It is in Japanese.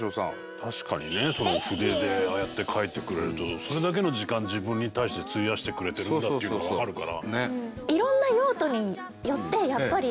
確かにね筆でああやって書いてくれるとそれだけの時間自分に対して費やしてくれてるんだっていうのが分かるから。